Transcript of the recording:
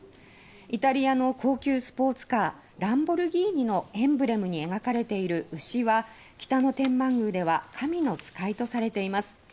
イタリアの高級スポーツカーランボルギーニのエンブレムに描かれている牛は北野天満宮では神の使いとされています。